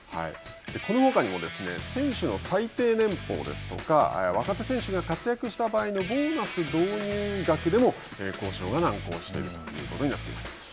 このほかにも選手の最低年俸ですとか若手選手が活躍した場合のボーナス導入額にも交渉が難航しているということになります。